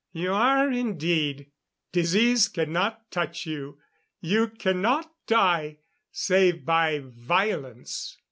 You are indeed. Disease cannot touch you! You cannot die save by violence!"